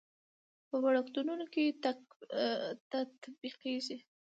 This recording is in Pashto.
په وړکتونونو کې تطبیقېږي.